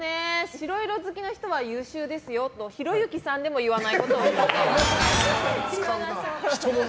白色好きの人は優秀ですよとひろゆきさんでも言わないことを言う。